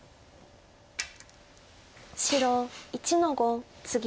白１の五ツギ。